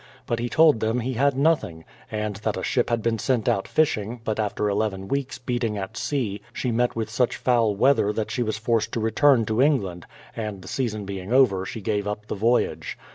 But he told them he had nothing, and that a ship had been sent out fishing, but after eleven weeks beating at sea she met with such foul weather that she was forced to return to England, and the season being over she gave up the voyage.